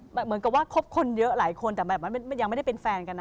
เหมือนกับว่าคบคนเยอะหลายคนแต่แบบมันยังไม่ได้เป็นแฟนกันนะ